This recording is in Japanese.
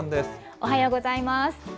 おはようございます。